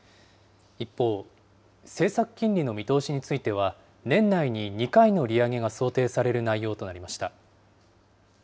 一方、政策金利の見通しについては、年内に２回の利上げが想定される内容となりました。